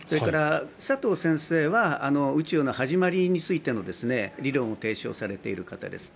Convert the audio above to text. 佐藤先生は宇宙の始まりについての理論を提唱されている方です。